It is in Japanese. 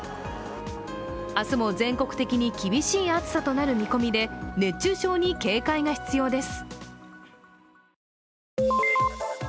明日も全国的に厳しい暑さとなる見込みで熱中症に警戒が必要です。